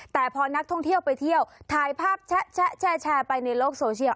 แต่พอนักท่องเที่ยวไปเที่ยวถ่ายภาพแชะแชร์ไปในโลกโซเชียล